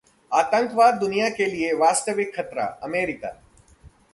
आतंकवाद दुनिया के लिए वास्तविक खतरा: अमेरिका